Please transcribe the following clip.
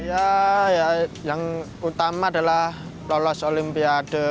ya yang utama adalah lolos olimpiade